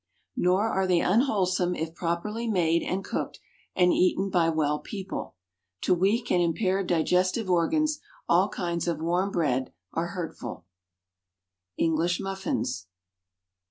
Nor are they unwholesome if properly made and cooked, and eaten by well people. To weak and impaired digestive organs all kinds of warm bread are hurtful. English Muffins.